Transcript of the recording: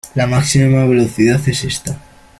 La máxima velocidad es esta.